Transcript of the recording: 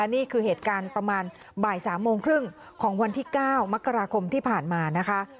นี่คือเหตุการณ์ประมาณบ่าย๓โมงครึ่งของวันที่๙มกราคมที่ผ่านมานะคะ